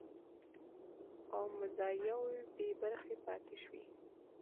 او مزایاوو بې برخې پاتې شوي